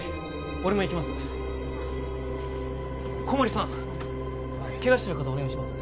俺も行きますあっ小森さんはいケガしてる方お願いします